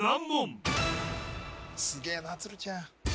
すげえな鶴ちゃん